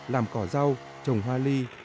làm cỏ rau trồng hoa ly